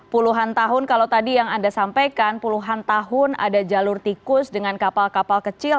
puluhan tahun kalau tadi yang anda sampaikan puluhan tahun ada jalur tikus dengan kapal kapal kecil